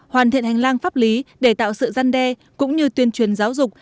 bằng lăng pháp lý để tạo sự giăn đe cũng như tuyên truyền giáo dục